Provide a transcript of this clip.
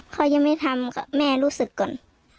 เขายังไม่ทำแม่รู้สึกก่อน